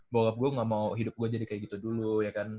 bahwa gue gak mau hidup gue jadi kayak gitu dulu ya kan